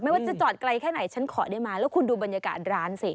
ว่าจะจอดไกลแค่ไหนฉันขอได้มาแล้วคุณดูบรรยากาศร้านสิ